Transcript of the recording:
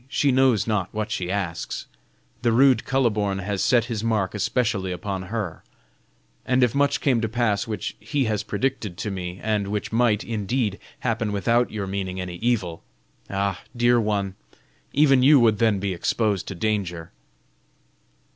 she knows not what she asks. The rude Kuhleborn has set his mark especially upon her; and if much came to pass which he has predicted to me, and which might, indeed, happen without your meaning any evil, ah! dear one, even you would then be exposed to danger!"